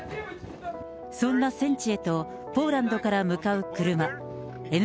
そんな戦地へと、ポーランドから向かう車。